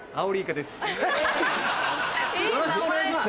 よろしくお願いします！